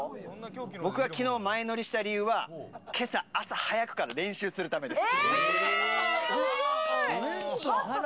僕が昨日、前乗りした理由は今朝、朝早くから練習するためです。